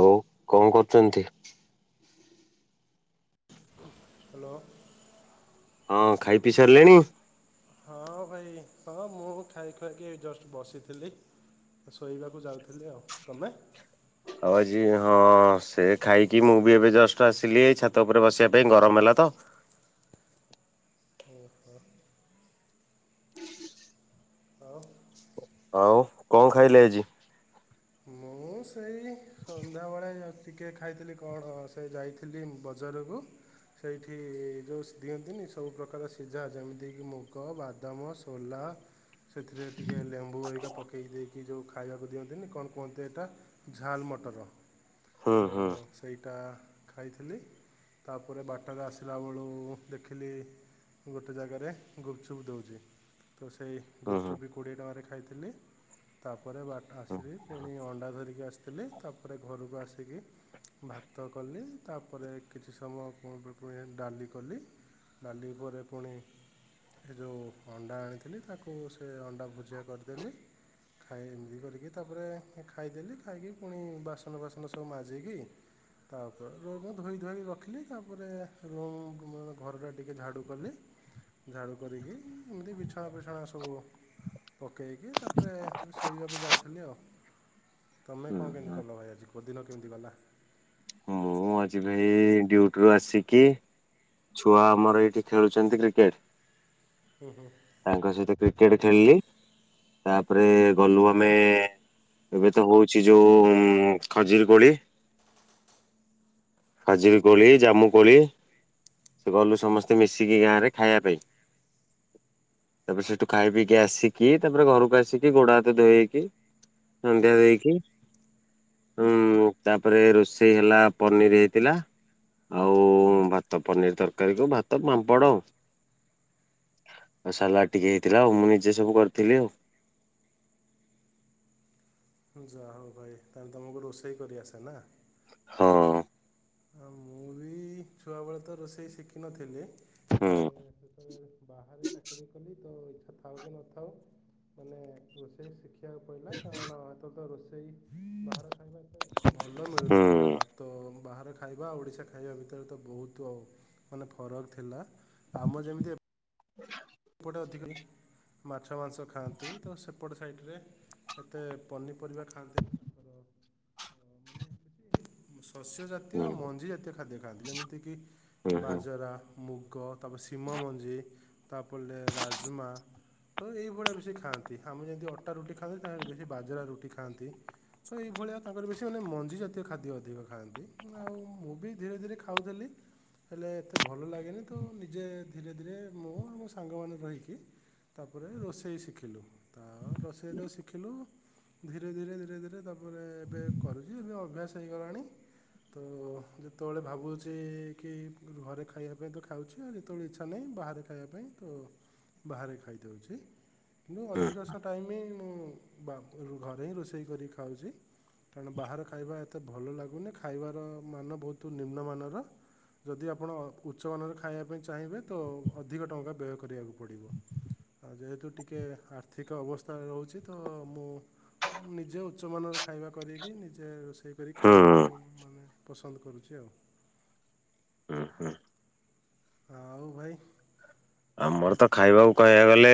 ଆଉ କଣ କରୁଚନ୍ତି? ହାଲୋ। ହଁ ଖାଇ ପିଇ ସାରିଲେଣି? ହଁ ଭାଇ ହଁ ମୁଁ ଖାଇ ଖୁଆକି ଏଇ ଜଷ୍ଟ ବସିଥିଲି। ଶୋଇବାକୁ ଯାଉଥିଲି ଆଉ ତୁମେ? ଆଉ ଆଜି ହଁ ସେ ଖାଇକି ମୁଁ ବି ଏବେ ଜଷ୍ଟ ଆସିଲି ଏଇ ଛାତ ଉପରେ ବସିବା ପାଇଁ ଗରମ ହେଲା ତ। ଓ ହୋ। ହଉ [unintelligible] ଆଉ କଣ ଖାଇଲେ ଆଜି? ମୁଁ ସେଇ ସନ୍ଧ୍ୟାବେଳେ ଅା [unintelligible] ଉଛି ଟିକେ ଖାଇଥିଲି କଣ ସେ ଯାଇଥିଲି ବଜାରକୁ ସେଇଠି ଯଉ ଦିଅନ୍ତିନି ସବୁ ପ୍ରକାର ସିଝା ଯେମିତି କିି ମୁଗ, ବାଦାମ, ସୋଲା ସେଥିରେ ଟିକେ ଲେମ୍ବୁ ଘରିକା ପକେଇ ଦେଇକି ଯୋଉ ଖାଇବାକୁ ଦିଅନ୍ତିନି କଣ କୁହନ୍ତି ଏଟା ଝାଲ ମଟର ହୁଁ ତ ହୁଁ ସେଇଟା ଖାଇଥିଲି ତାପରେ ବାଟରେ ଆସିଲା ବେଳୁ ଦେଖିଲି ଗୋଟେ ଜାଗାରେ ଗୁପ୍ ଚୁପ୍ ଦେଉଚି ତ ସେଇ ହୁଁ ଗୁପ୍ ହୁଁ ଚୁପ୍ କୋଡ଼ିଏ ଟଙ୍କାରେ ଖାଇଥିଲି ତାପରେ ବାଟ ହୁଁ। ଆସିଲି ପୁଣି ଅଣ୍ଡା ଧରିକି ଆସିଥିଲେ ତାପରେ ଘରକୁ ଆସିକି ଭାତ କଲି ତାପରେ କିଛି ସମପୁ [unintelligible] ଣି ପୁଣି ଡାଲି କଲି। ଡାଲି ପରେ ପୁଣି ଏ ଯେଉଁ ଅଣ୍ଡା ଆଣିଥିଲି ତାକୁ ସେ ଅଣ୍ଡା ଭୁଜିଆ କରିଦେଲି। ଖାଇ ଏମିତି କରିକି ତାପରେ ଖାଇଦେଲି ଖାଇକି ପୁଣି ବାସନ ଫାସନ ସବୁ ମାଜେଇକି ତା ଉପରେ ର ଧୋଇଇଁ ଧୁୋଇଇ ରଖିଲି ତାପରେ ରୁମ୍ ଘରଟା ଟିକେ ଝାଡ଼ୁ କଲି। ଝାଡ଼ୁ କରିକି ଏମିତି ବିଛଣା ପିଛଣା ସବୁ ପକାଇକି ତାପରେ ମୁ ଶୋଇବାକୁ ଯାଉଥିଲି ଆଉ। ତମେ ହୁଁ କଣ କେମତି କଲ ଭାଇ ଆଜି କୋଦିନ କେମିତି ଗଲା? ମୁଁ ଆଜି ବି ଡୁଟିରୁ ଆସିକି ଛୁଆ ଆମର ଏଇଠି ଖେଳୁଛନ୍ତି କ୍ରିକେଟ। ହୁଁ ହୁଁ। ତାଙ୍କ ସହିତ କ୍ରିକେଟ ଖେଳିଲି ତାପରେ ଗଲୁ ଆମେ ଏବେ ତ ହଉଛି ଯୋଉ ଖଜିର କୋଳି ଖାଜୁରୀ କୋଳି, ଜାମୁ କୋଳି ସେ ଗଲୁ ସମସ୍ତେ ମିଶିକି ଗାଁ ରେ ଖାଇବା ପାଇଁ। ତାପରେ ସେଠୁ ଖାଇ ପିଇକି ଆସିକି ତାପରେ ଘରକୁ ଆସିକି ଗୋଡ ହାତ ଧୋଇଇକି ସନ୍ଧ୍ୟା ଦେଇାଇକି ହୁଁ ତାପରେ ରୋଷେଇ ହେଲା ପନିର୍ ହେଇଥିଲା। ଆଉ ଭାତ ପନିର ତରକାରୀ କୁ ଭାତ ପାମ୍ପଡ଼। ଆଉ ସାଲାକ୍ ଟିକେ ହେଇଥିଲା ଆଉ ମୁଁ ନିଜେ ସବୁ କରିଥିଲି ଆଉ। ଯାହା ହଉ ଭାଇ ତାହେଲେ ତମକୁ ରୋଷେଇ କରିଆସେ ନା। ହଁ। ମୁଁ ବି ଛୁଆବେଳେ ତ ରୋଷେଇ ଶିଖିନଥିଲି ହୁଁ। [unintelligible] ବାହାରେ ଚାକିରିୀ କଲି ତ ଇଚ୍ଛା ଥାଉ କି ନଥାଉ ମାନେ ରୋଷେଇ ଶିଖିବାକୁ ପଇଲା କାରଣ ଏତ ତ ରୋଷେଇ ବାହାର ଖାଇବା ଭଲ ମିଳୁ ନଥିଲା ହୁଁ। ତ ବା ଖାଇବା ଓଡ଼ିଶା ଖାଇବା ଭିତରେ ତ ବହୁତ୍ ଆଉ ମାନେ ଫରକ୍ ଥିଲା ଆମ ଯେମ୍ତି ହଁ ସେପଟେ ଅଧିକ ମାଛ ମାଂସ ଖାଆନ୍ତି ତ ସେପ ସାଇଟ୍ ରେ ଏତେ ପନିପରିବା ଖାଆନ୍ତି [unintelligible] ଶସ୍ୟ ହୁଁ ଜାତୀୟ ମଞ୍ଜି ଜାତି ଖାଦ୍ୟ ଖାଆନ୍ତି ଯେମିତି କିି ହୁଁ ହୁଁ ବାଜରା, ମୁଗ, ତାପରେ ସିମମଞ୍ଜି ତା ପଲେ ରାଜମା ତ ଏଇଭଳିଆ ବେଶୀ ଖାଆନ୍ତି ଆମେ ଯେମ୍ତି ଅଟା ରୁଟି ଖାଆନ୍ତି ତାଙ୍କର ବେଶୀ ବାଜରା ରୁଟି ଖାଆନ୍ତି। ତ ଏଇଭଳିଆ ତାଙ୍କର ବେଶୀ ମାନେ ମଞ୍ଜି ଜାତୀୟ ଖାଦ୍ୟ ଅଧିକ ଖାଆନ୍ତି ଆଉ ମୁଁ ବି ଧୀରେ-ଧୀରେ ଖାଉଥିଲି ହେଲେ ଏତେ ଭଲ ଲାଗେନି ତ ନିଜେ ଧୀରେ-ଧୀରେ ମୁଁ ମୋ ସାଙ୍ଗମାନେ ରହିକି ତାପରେ ରୋଷେଇ ଶିଖିଲୁ ତା ରୋଷେଇ ତ ଶିଖିଲୁ ଧୀରେ-ଧୀରେ-ଧୀରେ-ଧୀରେ ତାପରେ ଏବେ କରୁଚି ଏବେ ଅଭ୍ୟାସ ହେଇଗଲାଣି। ତ ଯେତବେଳେ ଭାବୁଚି କି ଘରେ ଖାଇବା ପାଇଁ ତ ଖାଉଚି ଆଉ ଯେତବେଳେ ଇଚ୍ଛା ନାହିଁ ବାହାରେ ଖାଇବା ପାଇଁ ତ ବାହାରେ ଖାଇ ଦଉଚି, ମୁଁ ହୁଁ ଅଧିକଶ ଟାଇମି ମୁଁ ବାବୁ ଘରେ ହିଁ ରୋଷେଇ କରି ଖାଉଚି। ତେଣୁ ବାହାର ଖାଇବା ଏତେ ଭଲ ଲାଗୁନି ଖାଇବାର ମାନ ବହୁତ୍ ନିମ୍ନମାନର ଯଦି ଆପଣ ଉଚ୍ଚମାନରେ ଖାଇବା ପାଇଁ ଚାହିଁବେ ତ ଅଧିକ ଟଙ୍କା ବ୍ୟୟ କରିଆକୁ ପଡ଼ିବ। ଆଉ ଯେହେତୁ ଟିକେ ଆର୍ଥିକ ଅବସ୍ଥାରେ ରହୁଚି ତ ମୁଁ ନିଜେ ଉଚ୍ଚମାନର ଖାଇବା କରିକି ନିଜେ ରୋଷେଇ କରି ହୁଁ ଖାଇବାକୁ ମାନେ ପସନ୍ଦ କରୁଚି ଆଉ। [inaudible] ଆଉ ଭାଇ ଆଉ ଆମର ତ ଖାଇବାକୁ କହିଆକୁ ଗଲେ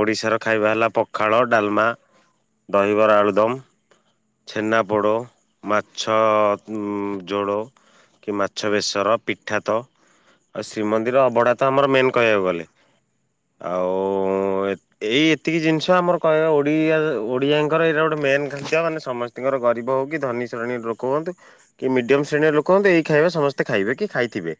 ଓଡିଶାର ଖାଇବା ହେଲା ପଖାଳ ଡାଲମା ଦହିବରା ଆଳୁଦମ୍ ଛେନା ପୋଡ଼ ମାଛ ଉଁ ଜୋଡ କି ମାଛ ବେଶର ପିଠା ତ ଆଉ ଶ୍ରୀମନ୍ଦିର ଅବଢା ତ ଆମର ମେନ୍ କହିଆକୁ ଗଲେ, ଆଉ ଏଇ ଏତିକି ଜିନିଷ ଆମର କହିବା [unintelligible] ଓଡିଆ ଓଡିଆଙ୍କର ଏଇଟା ଗୋଟେ ମେନ୍ ଖାଦ୍ୟ। ସମସ୍ତିଙ୍କର ଗରିବ ହଉ କି ଧନୀ ଶ୍ରେଣୀ ଲୋକ ହୁଅନ୍ତୁ। କି ମିଡିୟମ୍ ଶ୍ରେଣୀର ଲୋକ ହଅନ୍ତୁ ଏଇ ଖାଇବା ସମସ୍ତେ ଖାଇବେ କି ଖାଇଥିବେ।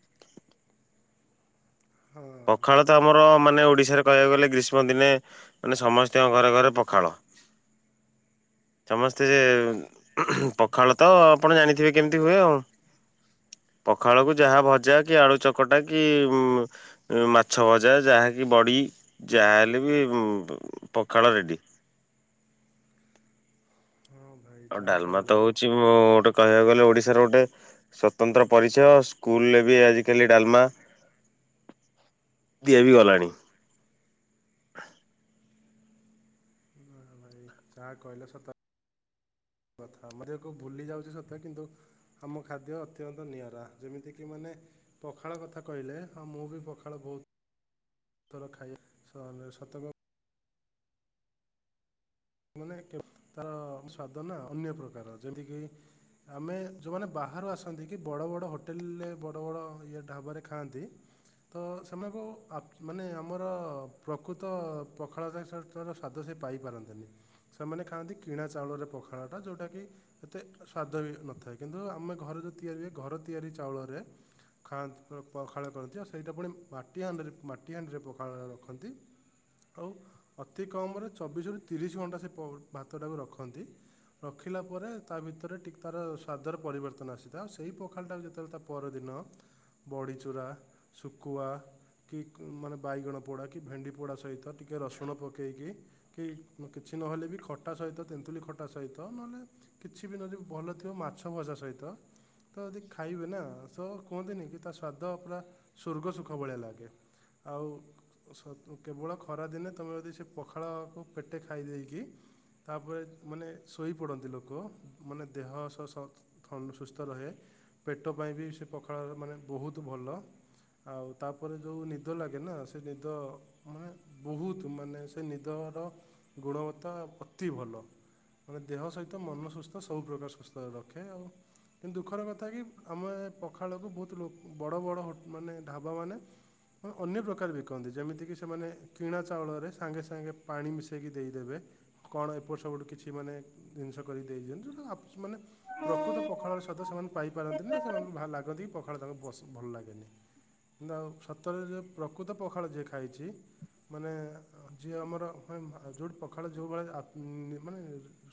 ହଁ ପଖାଳ ତ ଆମର ମାନେ ଓଡିଶାରେ କହିବାକୁ ଗଲେ ଗ୍ରୀଷ୍ମ ଦିନେ ମାନେ ସମସ୍ତିଙ୍କ ଘରେ-ଘରେ ପଖାଳ, ସମସ୍ତେ ପଖାଳ ତ ଆପଣ ଜାଣିଥିବେ କେମ୍ତି ହୁଏ ଆଉ। ପଖାଳକୁ ଯାହା ଭଜା କି ଆଳୁ ଚକଟା କି ମାଛ ଭଜା ଯାହାକି ବଡ଼ି ଯାହାହେଲେ ବି ପଖାଳ ରେଡ଼ି। ହଁ। ଭାଇ ଆଉ ଯାହା ଡାଲମା କହିଲ ତ ହଉଚି [unintelligible] ଗୋଟେ କହିବାକୁ ଗଲେ ଓଡିଶାର ଗୋଟେ ସ୍ଵତନ୍ତ୍ର ପରିଚୟ, ସ୍କୁଲରେ ବି [unintelligible] [unintelligible] ଡାଲମା ଦିଆ ବି ଗଲାଣି। ନା ଭାଇ ଯାହା କହିଲ ସ [inaudible] କୁ ଭୁଲି ଯାଉଚି ସତ କିନ୍ତୁ ଆମ ଖାଦ୍ୟ ଅତ୍ୟନ୍ତ ନିଆରା। ଯେମିତିକି ମାନେ ପଖାଳ କଥା କହିଲେ ହଁ ମୁଁ ବି ପଖାଳ ବହୁତ୍ ର ଖାଇ [unintelligible] ମାନେ କେ-ତାର ସ୍ଵାଦ ନା ଅନ୍ୟ ପ୍ରକାର ଯେମିତିକି ଆମେ ଯୋଉମାନେ ବାହାରୁ ଆସନ୍ତି କି ବଡବଡ ହୋଟେଲରେ ବଡବଡ ଇଏ ଢାବାରେ ଖାଆନ୍ତି। ତ ସେମାନଙ୍କୁ ଆ-ମାନେ ଆମର ପ୍ରକୃତ ପଖାଳ ଜାସ୍ ର ସ୍ଵାଦ ସେ ପାଇପାରନ୍ତିନି। ସେମାନେ ଖାଆନ୍ତି କିଣା ଚାଉଳରେ ପଖାଳଟା ଯୋଉଟାକି ଏତେ ସ୍ଵାଦ ବି ନଥାଏ କିନ୍ତୁ ଆମେ ଘରେ ଯୋଉ ତିଆରି ହୁଏ ଘର ତିଆରି ଚାଉଳରେ ଖାନ୍ତି ପ-ପଖାଳ କରନ୍ତି ଆଉ ସେଇଟା ପୁଣି ମାଟି ହାଣ୍ଡରେ ମାଟି ହାଣ୍ଡିରେ ପଖାଳ ରଖନ୍ତି। ଆଉ ଅତି କମରେ ଚବିଶ ରୁ ତିରିଶ ଘଣ୍ଟା ସେ ପ-ଭାତରାକୁ ରଖନ୍ତି। ରଖିଲା ପରେ ତା ଭିତରେ ଟିକେ ତାର ସ୍ୱାଦର ପରିବର୍ତ୍ତନ ଆସିଥାଏ ଆଉ ସେହି ପଖାଳଟାକୁ ଯେତେବେଳେ ତା ପରଦିନ ବଡିଚୂରା ଶୁକୁଆ କି ମାନେ ବାଇଗଣ ପୋଡା କି ଭେଣ୍ଡି ପୋଡା ସହିତ ଟିକେ ରସୁଣ ପକେଇକି କି କିଛି ନହେଲେ ବି ଖଟା ସହିତ ତେନ୍ତୁଳି ଖଟା ସହିତ ନହେଲେ କିଛି ବି ନଦୀ ଭଲ ଥିବ ମାଛ ଭଜା ସହିତ ତ ଯଦି ଖାଇବେ ନା ତ କୁହନ୍ତିନି କି ତା ସ୍ଵାଦ ପୁରା ସ୍ଵର୍ଗ ସୁଖ ଭଳିଆ ଲାଗେ। ଆଉ ସ-ତୁ କେବଳ ଖରାଦିନେ ତମେ ଯଦି ସେ ପଖାଳକୁ ପେଟେ ଖ ଖାଇଦେଇକି ତାପରେ ମାନେ ଶୋଇପଡନ୍ତି ଲୋକ ମାନେ ଦେହ ସ ସ ଥଣ୍ଡ୍ ସୁସ୍ଥ ରୁହେ। ପେଟ ପାଇଁ ବି ସେ ପଖାଳ ମାନେ ବହୁତ ଭଲ। ଆଉ ତାପରେ ଯୋଉ ନିଦ ଲାଗେ ନା ସେ ନିଦ ମାନେ ବହୁତୁ ମାନେ ସେ ନିଦର ଗୁଣବତ୍ତା ଅତି ଭଲ। ମାନେ ଦେହ ସହିତ ମନ ସୁସ୍ଥ ସବୁପ୍ରକାର ସୁସ୍ଥ ରଖେ ଆଉ। କିନ୍ତୁ ଦୁଃଖର କଥା କି ଆମେ ଏ ପଖାଳକୁ ବହୁତ ଲୋ ବଡ ବଡ ହୋଟ୍-ମାନେ ଢାବାମାନେ ଏବଂ ଅନ୍ୟ ପ୍ରକାର ବିକନ୍ତି ଯେମିତି କିି ସେମାନେ କିଣା ଚାଉଳରେ ସାଙ୍ଗେ ସାଙ୍ଗେ ପାଣି ମିଶେଇ କି ଦେଇଦେବେ। କଣ ଏପଟ ସେପଟ କିଛି ମାନେ ଦିନିଷ କରିକି ଦେଇ ଦିଅନ୍ତୁ ତ ଆପ୍ସ ମାନେ- - ପ୍ରକୃତ ପଖାଳର ସ୍ୱାଦ ସେମାନେ ପାଇପାରନ୍ତିନି ସେମାନଙ୍କୁ ଭା ଲାଗନ୍ତି ପଖାଳ ତାଙ୍କୁ ପଶ-ଭଲ ଲାଗେନି। ନା ଆଉ ସତରେ ଯେ ପ୍ରକୃତ ପଖାଳ ଯିଏ ଖାଇଚି ମାନେ ଯିଏ ଆମର - - ମାନେ ଆ ଯୋଉଠି ପଖାଳ ଯୋଉଭଳିଆ ଆ ମାନେ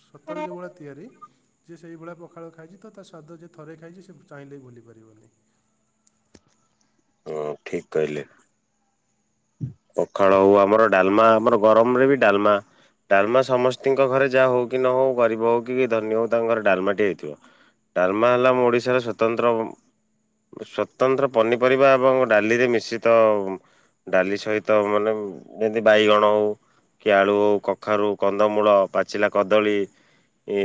ସତରେ ଯୋଉଭଳିଆ ତିଆରି- - ଯିଏ ସେଇଭଳିଆ ପଖାଳ ଖାଇଚି ତ ତା ସ୍ଵାଦ ଯିଏ ଥରେ ଖାଇଚି ସେ ଚାହିଁଲେ ବି ଭୁଲିାପାରିବନି। ହଁ ଠିକ୍ କହିଲେ। ପଖାଳ ହଉ ଆମର ଡାଲମା ଆମର ଗରମ ରେ ବି ଡାଲମା। ଡାଲମା ସମସ୍ତିଙ୍କ ଘରେ ଯାହା ହଉ କି ନ ହଉ ଗରିବ ହଉ କି ଧନୀ ହଉ ତାଙ୍କ ଘରେ ଡାଲମାଟି ହେଇଥିବ। ଡାଲମା ହେଲା ଆମ ଓଡିଶାର ସ୍ଵତନ୍ତ୍ର ସ୍ଵତନ୍ତ୍ର ପନିପରିବା ଏବଂ ଡାଲିରେ ମିଶିତ ଡାଲି ସହିତ ମାନେ ଯେମିତି ବାଇଗଣ ହଉ କି ଆଳୁ ହଉ କଖାରୁ କନ୍ଦମୂଳ ପାଚିଲା କଦଳୀ ଏ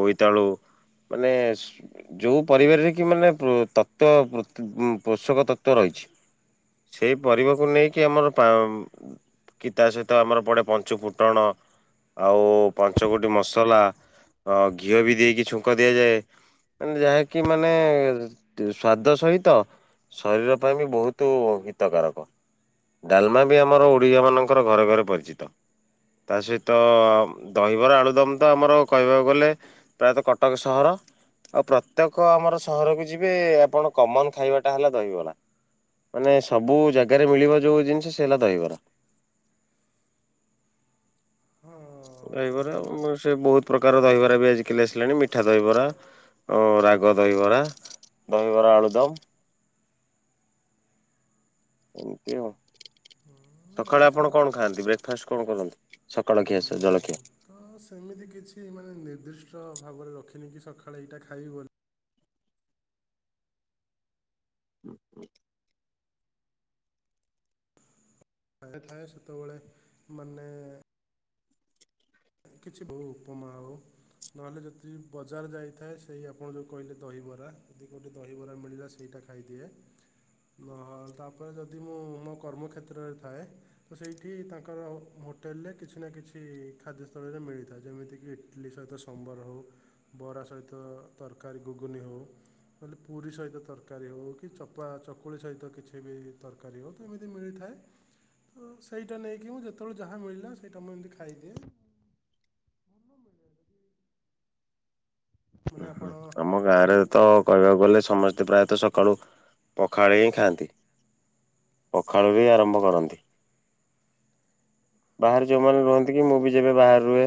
ବୋଇତାଳୁ ମାନେ ଯେଉଁ ପରିବାରରେ କି ମାନେ ଉଁ ତତ୍ଵ ପୋଷକ ତତ୍ଵ ରହିଚି। ସେଇ ପରିବାକୁ ନେଇକି ଆମର ପାଁ କି ତା ସହିତ ଆମର ପଡେ ପଞ୍ଚୁ ଫୁଟଣ ଆଉ ପାଞ୍ଚଗୋଟି ମସଲା ଅ ଘିଅ ବି ଦେଇକି ଛୁଙ୍କ ଦିଆଯାଏ। ଏଁ ଯାହାକି ମାନେ ସ୍ଵାଦ ସହିତ ଶରୀର ପାଇଁ ବି ବହୁତୁ ହିତକାରକ। ଡାଲମା ବି ଆମର ଓଡିଆ ମାନଙ୍କର ଘରେ ଘରେ ପରିଚିତ। ତା ସହିତ ଦହିବରା ଆଳୁଦମ୍ ତ ଆମର କହିବାକୁ ଗଲେ - - ପ୍ରାୟତଃ କଟକ ସହର - - ଆଉ ପ୍ରତ୍ୟେକ ଆମର ସହରକୁ ଯିବେ ଆପଣ କମନ୍ ଖାଇବାଟା ହେଲା- - ଦହିବରା। ମାନେ ସବୁ ଜାଗାରେ ମିଳିବ ଯୋଉ ଜିନିଷ ସେ ହେଲା ଦହିବରା। ହଁ ଦହିବରା ଉଁ - - ସେ ବହୁତ ପ୍ରକାର ଦହିବରା ବି ଆଜିକାଲି ଆସିଲାଣି ମିଠା ଦହିବରା ଅ ରାଗ ଦହିବରା। ଦହିବରା ଆଳୁଦମ୍ ଏମିତି ଆଉ- - ହୁଁ, ସକାଳେ ଆପଣ ଓଡ଼ିଶାରେ ତ କଣ ଖାଆନ୍ତି? ବ୍ରେକ୍‌ଫାଷ୍ଟ କଣ କରନ୍ତି, ସକାଳ ଖିଆ ଜଳଖିଆ? ହଁ ସେମିତି କିଛି ମାନେ ନିର୍ଦ୍ଦିଷ୍ଟ ଭାବରେ ରଖିନି କି ସକାଳେ ଏଇଟା ଖାଇବ ବୋଲି। ହୁଁ ହୁଁ ରାଗି ଥାଏ। ସେତେବେଳେ ମାନେ- - କିଛି ବହୁ ଉପମା ଆଉ ନହେଲେ ଯଦି ବଜାର ଯାଇଥାଏ। ସେଇ ଆପଣ ଯୋଉ କହିଲେ ଦହିବରା। ଯଦି କଉଁଠି ଦହିବରା ମିଳିଲା ସେଇଟା - - ଖାଇଦିଏ। ତା ପରେ ଯଦି ମୁଁ ମୋ କର୍ମକ୍ଷେତ୍ରରେ ଥାଏ ତ ସେଇଠି ତାଙ୍କ ହୋଟେଲରେ କିଛି ନା କିଛି ଖାଦ୍ୟସ୍ଥଳରେ ମିଳିଥାଏ। ଯେମିତିକି ଇଟିଲି ସହିତ ସମ୍ବର ହଉ- - ବରା ସହିତ ତରକାରୀ ଗୁଗୁନି ହଉ- - କହିଲେ ପୁରୀ ସହିତ ତରକାରୀ ହଉ କି ଚପା ଚକୁଳି ସହିତ କିଛି ବି ତର- - କାରୀ ଏମିତି ମିଳିଥାଏ। ତ ସେଇଟା ନେଇକି ଯେତେବେଳେ ଯାହା ମିଳିଲା ସେଇଟା ମୁଁ ଏମିତି ଖାଇଦିଏ। ମାନେ ହୁ ଆପଣ ହୁଁ ଆମ ଗାଁରେ ମାନେ ତ କହିବାକୁ ଗଲେ ସମସ୍ତେ ପ୍ରାୟତଃ ସକାଳୁ ପଖାଳ ହିଁ ଖାଆନ୍ତି। ପଖାଳରୁ ହିଁ ଆରମ୍ଭ କରନ୍ତି। ହଁ [unintelligible] ମୁଁ ବି ଯେବେ ବାହାରେ ରୁହେ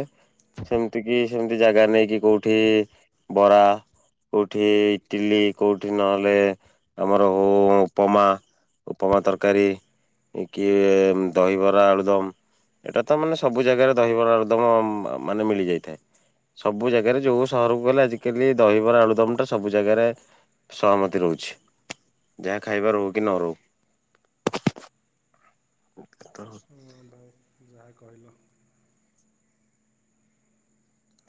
ସେମିତି କି ସେମତି ଜାଗା ନେଇକି କୋଉଠି ବରା କୋଉଠି ଇଟିଲି କୋଉଠି ନ ହେଲେ ଆମର ହଉ ଉପମା ଉପମା ତରକାରୀ କି ଦହିବରା ଆଳୁଦମ୍। ଏଇଟା ତ ମାନେ ସବୁ ଜାଗାରେ ଦହିବାର ଆଳୁଦମ୍ ମାନେ ମିଳିଯାଇଥାଏ। ସବୁ ଜାଗାରେ ଯୋଉ ସହରକୁ ଗଲେ ଆଜିକାଲି ଦହିବରା ଆଳୁଦମଟା ସବୁ ଜାଗାରେ ସହମତି ରହୁଛି। ଯାହା ଖାଇବା ରହୁ କି ନ ରହୁ। [inaudible] ହଁ ଭାଇ ଯାହା କହିଲ।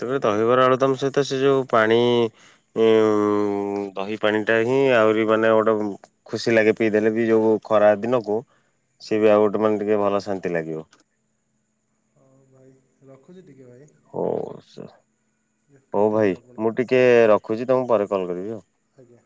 ହଉ ତେବେ ଭାଇ ଦହିବରା ଆଳୁଦମ୍ ସହିତ ସେ ଯୋଉ ପାଣି। ଉଁ ଦହି ପାଣିଟା ହିଁ ଆହୁରି ମାନେ ଗୋଟେ ଖୁସି ଲାଗେ ପିଇଦେଲେ ବି ଯୋଉ ଖରା ଦିନକୁ ସିଏ ବି ଆଉ ଗୋଟେ ମାନେ ଟିକେ ଭଲ ଶାନ୍ତି ଲାଗିବ। ହଉ ଭାଇ ରଖୁଛି ଟିକେ ଭାଇ। [unintelligible] ହଉ କାଟିଦିଅ ଭାଇ ଆପଣଙ୍କ ମୁଁ ଟିକେ ରଖୁଛି ତମକୁ ପରେ କଲ୍ କରିବି। ଆଜ୍ଞା।